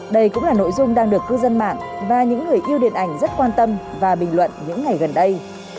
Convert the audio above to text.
đây cũng là nội dung đang được cư dân mạng và những người yêu điện ảnh rất quan tâm và bình luận những ngày gần đây